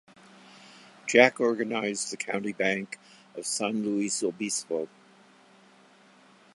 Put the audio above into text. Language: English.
Jack organized the County Bank of San Luis Obispo.